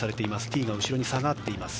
ティーが後ろに下がっています。